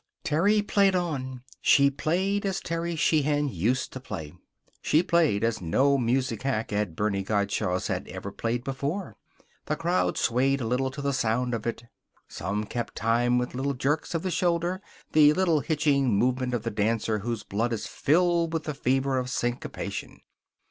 Terry played on. She played as Terry Sheehan used to play. She played as no music hack at Bernie Gottschalk's had ever played before. The crowd swayed a little to the sound of it. Some kept time with little jerks of the shoulder the little hitching movement of the dancer whose blood is filled with the fever of syncopation.